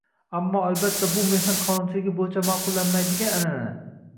Ammo albatta bu mehnat qonunchiligi boʻyicha maʼqullanmaydigan “anʼana”.